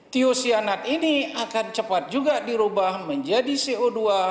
tyosianat ini akan cepat juga dirubah menjadi co dua